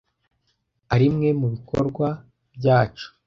arimwe mubikorwa byacu.